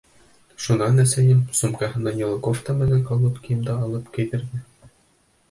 Шунан әсәйем, сумкаһынан йылы кофта менән колготкийымды алып, кейҙерҙе.